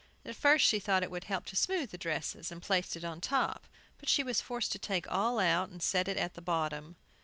At first she thought it would help to smooth the dresses, and placed it on top; but she was forced to take all out, and set it at the bottom.